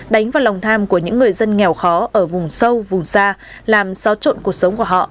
đánh vào lòng tham của những người dân nghèo khó ở vùng sâu vùng xa làm xáo trộn cuộc sống của họ